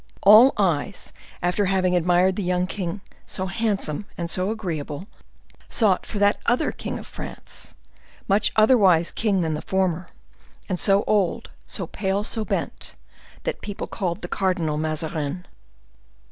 All eyes, after having admired the young king, so handsome and so agreeable, sought for that other king of France, much otherwise king than the former, and so old, so pale, so bent, that people called the Cardinal Mazarin.